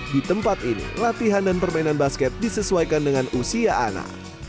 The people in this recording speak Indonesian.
di tempat ini latihan dan permainan basket disesuaikan dengan usia anak